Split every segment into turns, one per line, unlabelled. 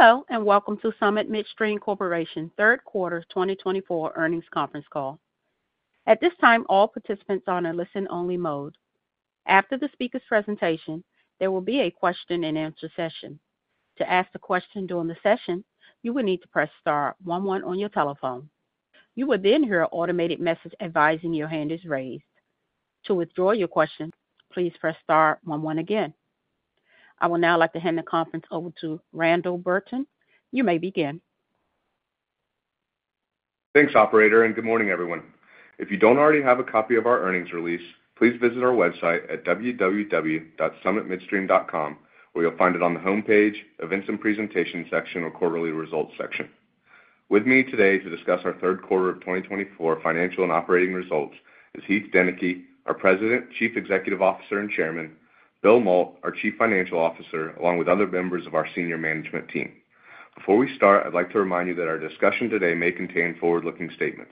Hello, and welcome to Summit Midstream Corporation third quarter 2024 earnings conference call. At this time, all participants are on a listen-only mode. After the speaker's presentation, there will be a question-and-answer session. To ask a question during the session, you will need to press star one one on your telephone. You will then hear an automated message advising your hand is raised. To withdraw your question, please press star one one again. I would now like to hand the conference over to Randall Burton. You may begin.
Thanks, Operator, and good morning, everyone. If you don't already have a copy of our earnings release, please visit our website at www.summitmidstream.com, where you'll find it on the homepage, events and presentation section, or quarterly results section. With me today to discuss our third quarter of 2024 financial and operating results is Heath Deneke, our President, Chief Executive Officer, and Chairman, Bill Mault, our Chief Financial Officer, along with other members of our senior management team. Before we start, I'd like to remind you that our discussion today may contain forward-looking statements.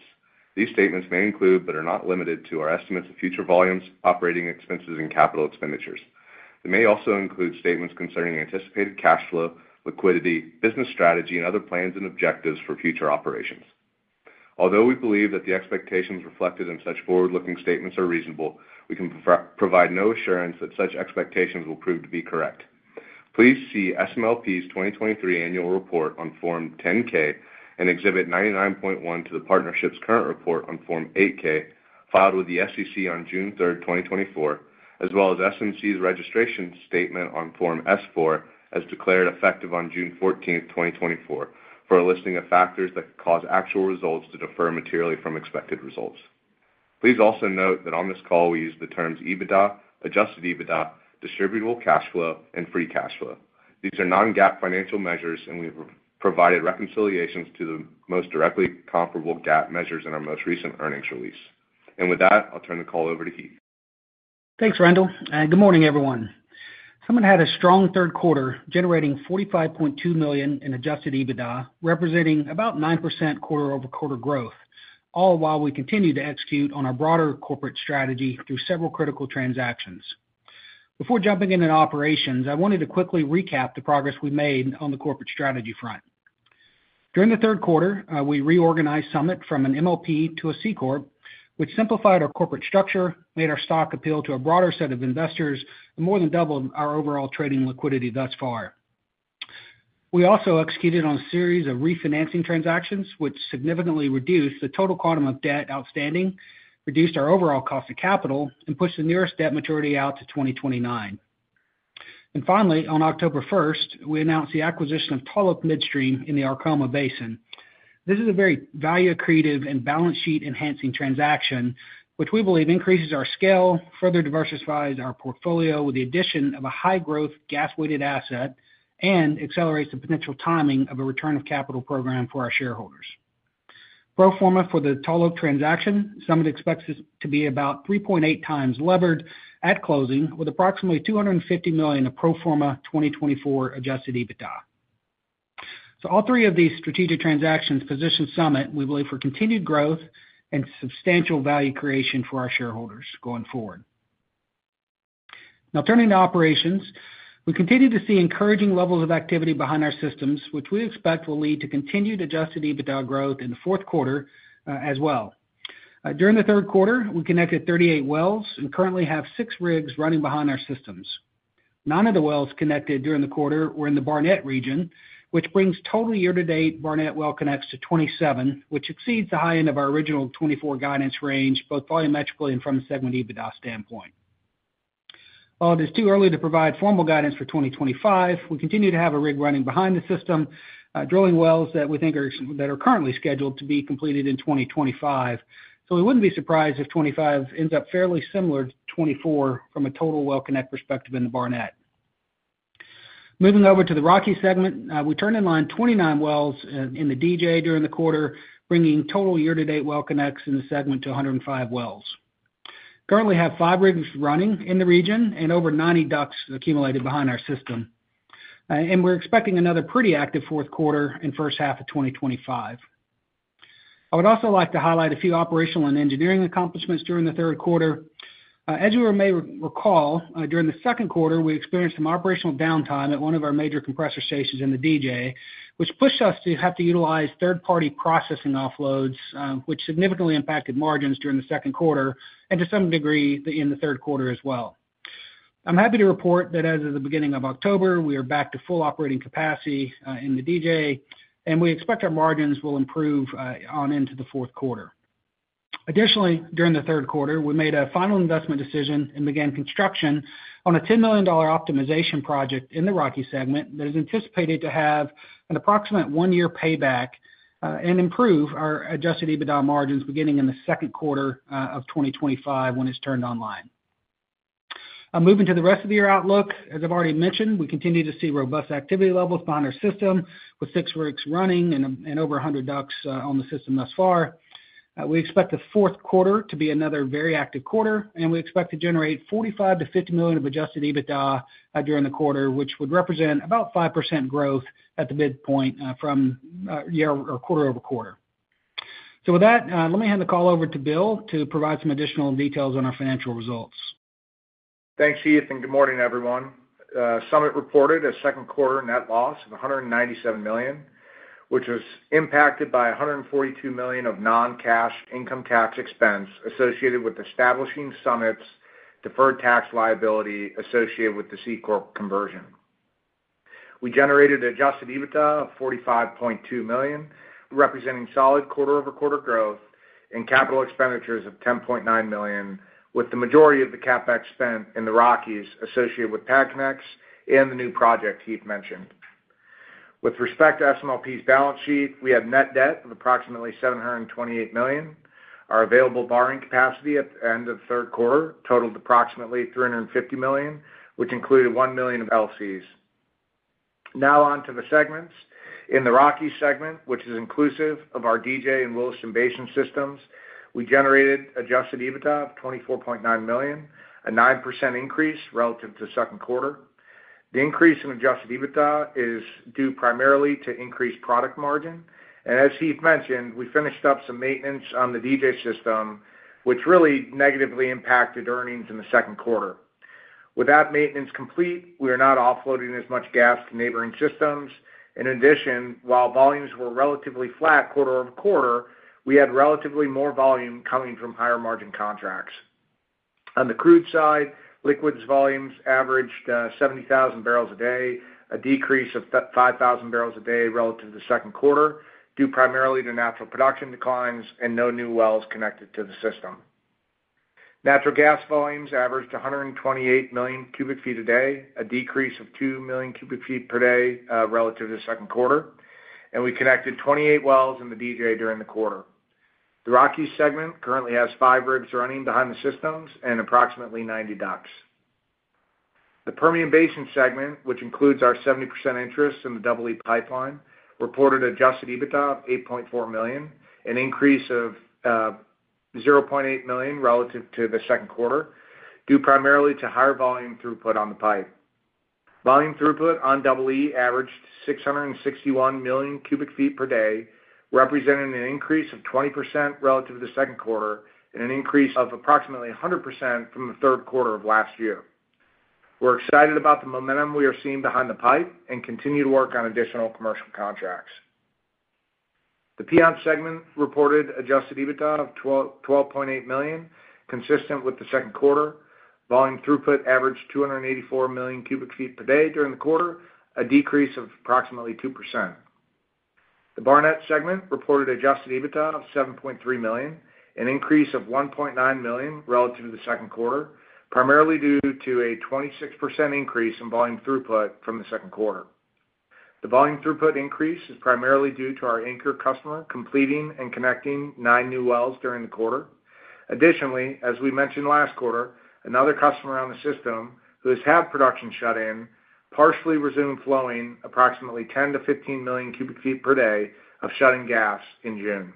These statements may include, but are not limited to, our estimates of future volumes, operating expenses, and capital expenditures. They may also include statements concerning anticipated cash flow, liquidity, business strategy, and other plans and objectives for future operations. Although we believe that the expectations reflected in such forward-looking statements are reasonable, we can provide no assurance that such expectations will prove to be correct. Please see SMLP's 2023 annual report on Form 10-K and Exhibit 99.1 to the partnership's current report on Form 8-K, filed with the SEC on June 3rd, 2024, as well as SMC's registration statement on Form S-4 as declared effective on June 14th, 2024, for a listing of factors that cause actual results to differ materially from expected results. Please also note that on this call, we use the terms EBITDA, Adjusted EBITDA, Distributable Cash Flow, and Free Cash Flow. These are non-GAAP financial measures, and we've provided reconciliations to the most directly comparable GAAP measures in our most recent earnings release, and with that, I'll turn the call over to Heath.
Thanks, Randall. Good morning, everyone. Summit had a strong third quarter, generating $45.2 million in Adjusted EBITDA, representing about 9% quarter-over-quarter growth, all while we continue to execute on our broader corporate strategy through several critical transactions. Before jumping into operations, I wanted to quickly recap the progress we made on the corporate strategy front. During the third quarter, we reorganized Summit from an MLP to a C-corp, which simplified our corporate structure, made our stock appeal to a broader set of investors, and more than doubled our overall trading liquidity thus far. We also executed on a series of refinancing transactions, which significantly reduced the total quantum of debt outstanding, reduced our overall cost of capital, and pushed the nearest debt maturity out to 2029. And finally, on October 1st, we announced the acquisition of Tall Oak Midstream in the Arkoma Basin. This is a very value-accretive and balance sheet-enhancing transaction, which we believe increases our scale, further diversifies our portfolio with the addition of a high-growth gas-weighted asset, and accelerates the potential timing of a return of capital program for our shareholders. Pro forma for the Tall Oak transaction, Summit expects this to be about 3.8 times levered at closing, with approximately $250 million of pro forma 2024 Adjusted EBITDA. So all three of these strategic transactions position Summit, we believe, for continued growth and substantial value creation for our shareholders going forward. Now, turning to operations, we continue to see encouraging levels of activity behind our systems, which we expect will lead to continued Adjusted EBITDA growth in the fourth quarter as well. During the third quarter, we connected 38 wells and currently have six rigs running behind our systems. None of the wells connected during the quarter were in the Barnett region, which brings total year-to-date Barnett well connects to 27, which exceeds the high end of our original 24 guidance range, both volumetrically and from a segment EBITDA standpoint. While it is too early to provide formal guidance for 2025, we continue to have a rig running behind the system, drilling wells that we think are currently scheduled to be completed in 2025. So we wouldn't be surprised if 25 ends up fairly similar to 24 from a total well connect perspective in the Barnett. Moving over to the Rockies segment, we turned in line 29 wells in the DJ during the quarter, bringing total year-to-date well connects in the segment to 105 wells. Currently, we have five rigs running in the region and over 90 DUCs accumulated behind our system. We're expecting another pretty active fourth quarter and first half of 2025. I would also like to highlight a few operational and engineering accomplishments during the third quarter. As you may recall, during the second quarter, we experienced some operational downtime at one of our major compressor stations in the DJ, which pushed us to have to utilize third-party processing offloads, which significantly impacted margins during the second quarter and to some degree in the third quarter as well. I'm happy to report that as of the beginning of October, we are back to full operating capacity in the DJ, and we expect our margins will improve on into the fourth quarter. Additionally, during the third quarter, we made a final investment decision and began construction on a $10 million optimization project in the Rockies segment that is anticipated to have an approximate one-year payback and improve our Adjusted EBITDA margins beginning in the second quarter of 2025 when it's turned online. Moving to the rest of the year outlook, as I've already mentioned, we continue to see robust activity levels behind our system with six rigs running and over 100 DUCs on the system thus far. We expect the fourth quarter to be another very active quarter, and we expect to generate $45 million-$50 million of Adjusted EBITDA during the quarter, which would represent about 5% growth at the midpoint from year or quarter over quarter. So with that, let me hand the call over to Bill to provide some additional details on our financial results.
Thanks, Heath, and good morning, everyone. Summit reported a second quarter net loss of $197 million, which was impacted by $142 million of non-cash income tax expense associated with establishing Summit's deferred tax liability associated with the C-corp conversion. We generated Adjusted EBITDA of $45.2 million, representing solid quarter-over-quarter growth and capital expenditures of $10.9 million, with the majority of the CapEx spent in the Rockies associated with pad connects and the new project Heath mentioned. With respect to SMLP's balance sheet, we had net debt of approximately $728 million. Our available borrowing capacity at the end of the third quarter totaled approximately $350 million, which included $1 million of LCs. Now on to the segments. In the Rockies segment, which is inclusive of our DJ and Williston Basin systems, we generated Adjusted EBITDA of $24.9 million, a 9% increase relative to second quarter. The increase in Adjusted EBITDA is due primarily to increased product margin, and as Heath mentioned, we finished up some maintenance on the DJ system, which really negatively impacted earnings in the second quarter. With that maintenance complete, we are not offloading as much gas to neighboring systems. In addition, while volumes were relatively flat quarter over quarter, we had relatively more volume coming from higher margin contracts. On the crude side, liquids volumes averaged 70,000 barrels a day, a decrease of 5,000 barrels a day relative to second quarter, due primarily to natural production declines and no new wells connected to the system. Natural gas volumes averaged 128 million cu ft a day, a decrease of 2 million cu ft per day relative to second quarter, and we connected 28 wells in the DJ during the quarter. The Rockies segment currently has five rigs running behind the systems and approximately 90 DUCs. The Permian Basin segment, which includes our 70% interest in the Double E Pipeline, reported adjusted EBITDA of $8.4 million, an increase of $0.8 million relative to the second quarter, due primarily to higher volume throughput on the pipe. Volume throughput on Double E averaged 661 million cu ft per day, representing an increase of 20% relative to the second quarter and an increase of approximately 100% from the third quarter of last year. We're excited about the momentum we are seeing behind the pipe and continue to work on additional commercial contracts. The Piceance segment reported adjusted EBITDA of $12.8 million, consistent with the second quarter. Volume throughput averaged 284 million cu ft per day during the quarter, a decrease of approximately 2%. The Barnett segment reported Adjusted EBITDA of $7.3 million, an increase of $1.9 million relative to the second quarter, primarily due to a 26% increase in volume throughput from the second quarter. The volume throughput increase is primarily due to our anchor customer completing and connecting nine new wells during the quarter. Additionally, as we mentioned last quarter, another customer on the system who has had production shut-in partially resumed flowing approximately 10 million-15 million cu ft per day of shut-in gas in June.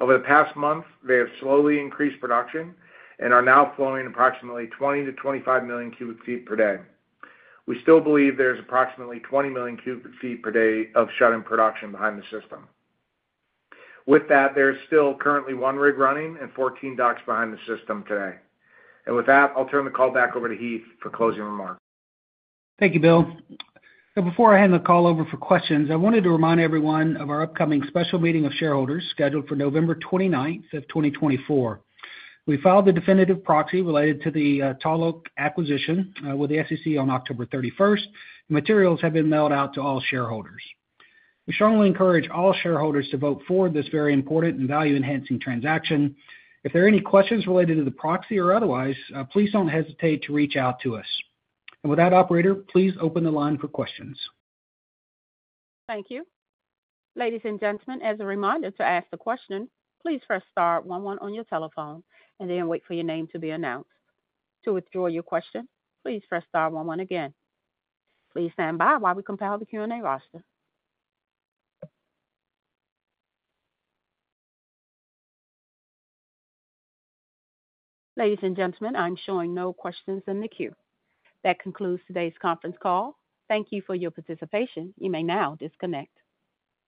Over the past month, they have slowly increased production and are now flowing approximately 20 million-25 million cu ft per day. We still believe there is approximately 20 million cu ft per day of shut-in production behind the system. With that, there is still currently one rig running and 14 DUCs behind the system today. With that, I'll turn the call back over to Heath for closing remarks.
Thank you, Bill. So before I hand the call over for questions, I wanted to remind everyone of our upcoming special meeting of shareholders scheduled for November 29th of 2024. We filed the definitive proxy related to the Tall Oak Midstream acquisition with the SEC on October 31st, and materials have been mailed out to all shareholders. We strongly encourage all shareholders to vote for this very important and value-enhancing transaction. If there are any questions related to the proxy or otherwise, please don't hesitate to reach out to us. And with that, Operator, please open the line for questions.
Thank you. Ladies and gentlemen, as a reminder to ask the question, please press star 11 on your telephone and then wait for your name to be announced. To withdraw your question, please press star 11 again. Please stand by while we compile the Q&A roster. Ladies and gentlemen, I'm showing no questions in the queue. That concludes today's conference call. Thank you for your participation. You may now disconnect.